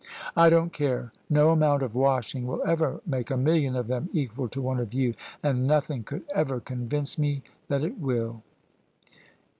"I don't care: no amount of washing will ever make a million of them equal to one of you, and nothing could ever convince me that it will."